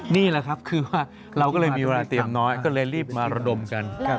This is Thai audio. นี่แหละครับคือว่าเราก็เลยมีเวลาเตรียมน้อยก็เลยรีบมาระดมกัน